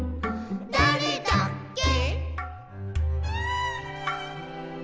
「だれだっけ」